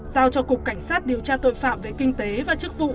giao cho cục cảnh sát điều tra tội phạm về kinh tế và chức vụ